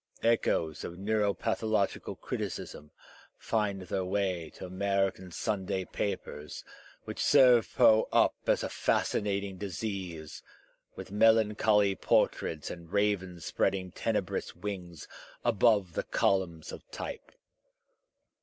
Echoes of neuropathological criticism find their way to American Sunday papers, which serve Poe up as a fascinating disease, with melancholy portraits and ravens spreading tenebrous wings above the columns of type.